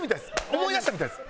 思い出したみたいです。